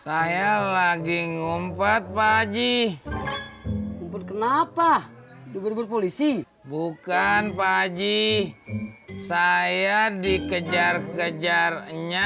saya lagi ngumpet pak haji kenapa berburu polisi bukan pak haji saya dikejar kejarnya